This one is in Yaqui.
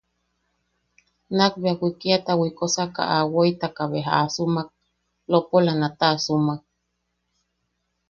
Nakbea wikiata wikosaka a woitaka beja a sumak, lopola nat a sumak.